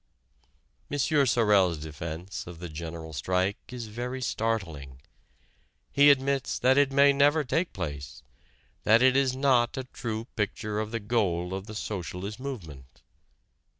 M. Sorel's defence of the General Strike is very startling. He admits that it may never take place, that it is not a true picture of the goal of the socialist movement.